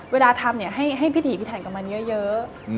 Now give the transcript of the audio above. เวลาทำให้พิถีพิถันกับมันเยอะ